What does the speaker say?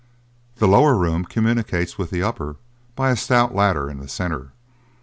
The lower room communicates with the upper, by a stout ladder in the centre.